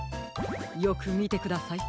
よくみてください。